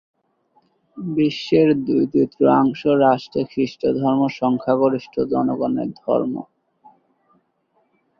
বিশ্বের দুই-তৃতীয়াংশ রাষ্ট্রে খ্রিস্টধর্ম সংখ্যাগরিষ্ঠ জনগণের ধর্ম।